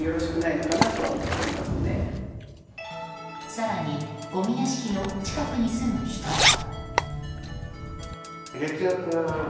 更にごみ屋敷の近くに住む人は。